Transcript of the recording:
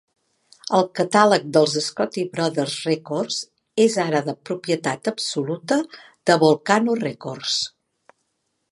El catàleg dels Scotti Brothers Records és ara de propietat absoluta de Volcano Records.